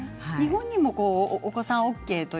日本でもお子さんＯＫ